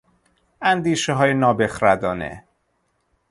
اندیشههای نابخردانه